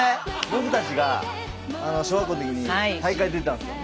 僕たちが小学校の時に大会出たんですよ。